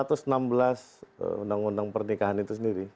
undang undang pernikahan itu sendiri